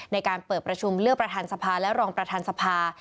ในการเปิดประชุมเลือกประธานสภาและรองประธานสภา